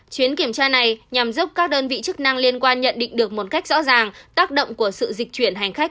chuyến kiểm tra này nhằm giúp các đơn vị chức năng liên quan nhận định được một cách rõ ràng tác động của sự dịch chuyển hành khách